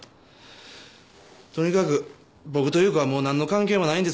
とにかく僕と夕子はもう何の関係もないんですわ。